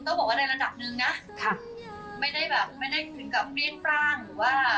ก็บอกว่าในระดับนึงนะไม่ได้คิดถึงกับเรียนตั้งหรือว่า